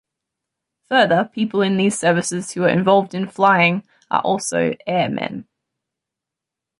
Further, people in these services who are involved in flying are also "airmen".